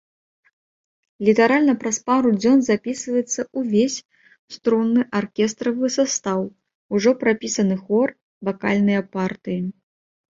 Літаральна праз пару дзён запісваецца ўвесь струнны аркестравы састаў, ужо прапісаны хор, вакальныя партыі.